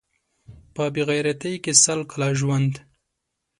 په بې غیرتۍ کې سل کاله ژوند